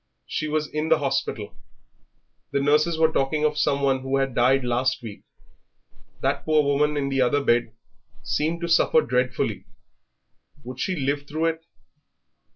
She was in the hospital.... The nurses were talking of some one who had died last week.... That poor woman in the other bed seemed to suffer dreadfully. Would she live through it?